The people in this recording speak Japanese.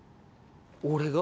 俺が？